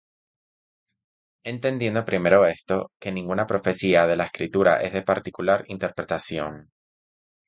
Entendiendo primero esto, que ninguna profecía de la Escritura es de particular interpretación;